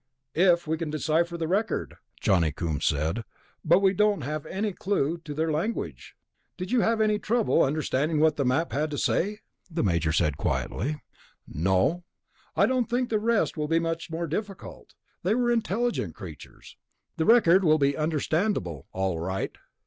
"If we can decipher the record," Johnny Coombs said. "But we don't have any clue to their language." "Did you have any trouble understanding what the map had to say?" the Major said quietly. "No...." "I don't think the rest will be much more difficult. They were intelligent creatures. The record will be understandable, all right."